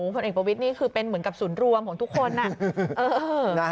ผลเอกประวิทย์นี่คือเป็นเหมือนกับศูนย์รวมของทุกคน